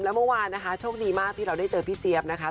แล้วเมื่อวานนะคะโชคดีมากที่เราได้เจอพี่เจี๊ยบนะคะ